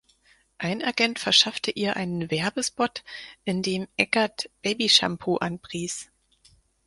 Ein Agent verschaffte ihr einen Werbespot, in dem Eggert Baby-Shampoo anpries.